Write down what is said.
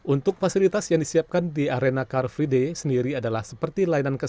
untuk fasilitas yang disiapkan di arena car free day sendiri adalah seperti layanan kesehatan